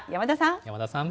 山田さん。